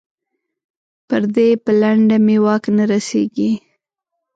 پر دې پلنډه مې واک نه رسېږي.